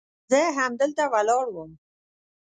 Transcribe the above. زه همدلته ولاړ وم.